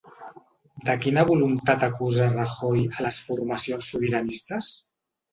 De quina voluntat acusa Rajoy a les formacions sobiranistes?